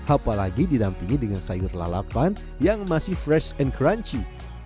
apalagi didampingi dengan sayur lalapan yang masih fresh and crunchy